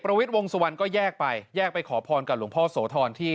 วิทย์วงสุวรรณก็แยกไปแยกไปขอพรกับหลวงพ่อโสธรที่